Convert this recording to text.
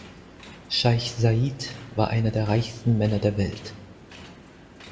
Scheich Zayid war einer der reichsten Männer der Welt.